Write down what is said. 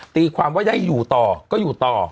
ตีความว่าได้อยู่ต่อก็อยู่ต่อ